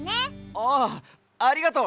ああありがとう！